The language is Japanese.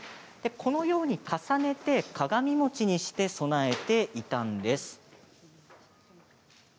このように重ねて鏡餅にして供えていたんです。